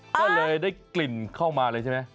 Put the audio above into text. ก็เลยได้กลิ่นเข้ามาเลยใช่ไหม